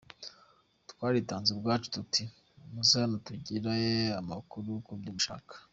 Twaritanze ubwacu tuti muze hano mugire amakuru kubyo mushaka.